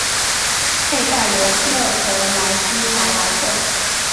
佩盖罗勒德莱斯卡莱特。